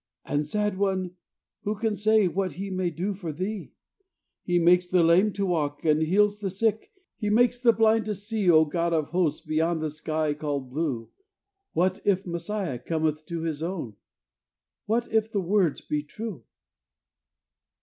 And, sad one, who can say What He may do for thee? He makes the lame to walk! He heals the sick! He makes the blind to see!" "He makes the blind to see! Oh, God of Hosts, Beyond the sky called blue, What if Messiah cometh to His own! What if the words be true!"